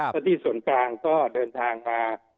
ถ้าที่ส่วนกลางก็เดินทางมา